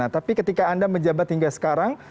tapi ketika anda menjabat hingga sekarang